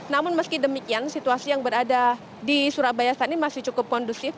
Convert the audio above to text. namun meski demikian situasi yang berada di surabaya saat ini masih cukup kondusif